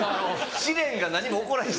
試練が何も起こらへん。